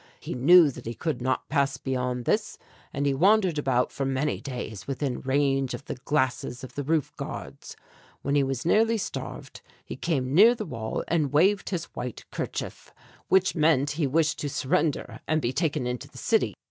He knew that he could not pass beyond this and he wandered about for many days within range of the glasses of the roof guards. When he was nearly starved he came near the wall and waved his white kerchief, which meant he wished to surrender and be taken into the city."